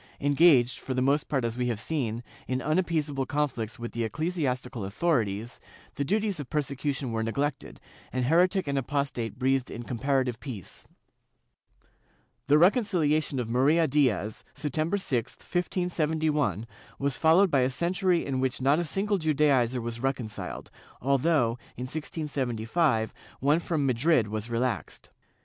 Engaged, for the most part as we have seen, in unappeaseable conflicts with the ecclesiastical authorities, the duties of persecution were neglected, and heretic and apostate breathed in comparative peace. The reconciliation of Maria Diez, September 6, 1579, was followed by a century in which not a single Judaizer was reconciled, although, in 1675, one from Madrid was relaxed.